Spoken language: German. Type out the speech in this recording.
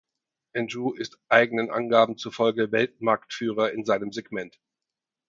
Andrew ist eigenen Angaben zufolge Weltmarktführer in seinem Segment.